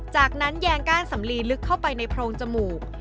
จากนั้นแยงก้านสำลีลึกเข้าไปในโพรงจมูก